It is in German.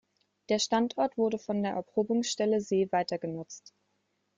Der Standort wurde von der Erprobungsstelle See weitergenutzt.